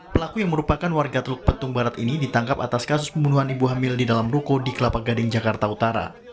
pelaku yang merupakan warga teluk petung barat ini ditangkap atas kasus pembunuhan ibu hamil di dalam ruko di kelapa gading jakarta utara